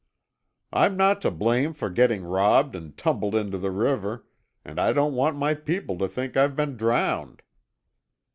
"I'm not to blame for getting robbed and tumbled into the river, and I don't want my people to think I've been drowned."